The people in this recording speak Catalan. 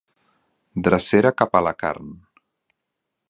Drecera cap a la carn.